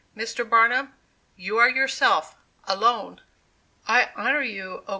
Mr. Barnum, you are yourself, alone! "I honor you, oh!